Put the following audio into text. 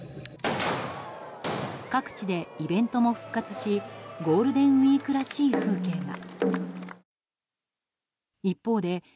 各地でイベントも復活しゴールデンウィークらしい風景が。